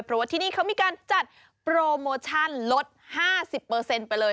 เพราะว่าที่นี่เขามีการจัดโปรโมชั่นลด๕๐ไปเลย